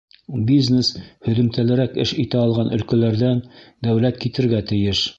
Бизнес һөҙөмтәлерәк эш итә алған өлкәләрҙән дәүләт китергә тейеш.